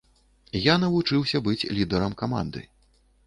Я навучыўся быць лідарам каманды.